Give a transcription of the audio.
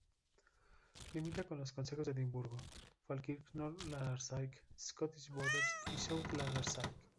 Limita con los concejos de Edimburgo, Falkirk, North Lanarkshire, Scottish Borders y South Lanarkshire.